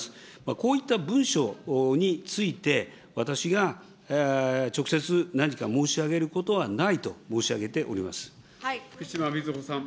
こういった文書について、私が直接何か申し上げることはないと申福島みずほさん。